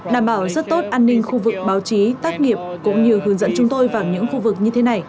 đảm bảo rất tốt an ninh khu vực báo chí tác nghiệp cũng như hướng dẫn chúng tôi vào những khu vực như thế này